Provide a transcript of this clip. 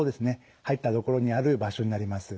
入った所にある場所になります。